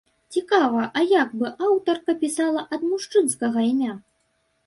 Цікава, а як бы аўтарка пісала ад мужчынскага імя?